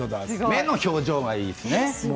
目の表情がいいですね。